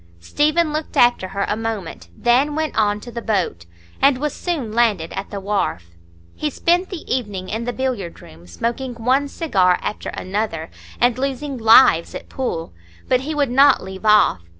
Stephen looked after her a moment, then went on to the boat, and was soon landed at the wharf. He spent the evening in the billiard room, smoking one cigar after another, and losing "lives" at pool. But he would not leave off.